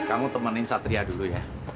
kamu temenin satria dulu ya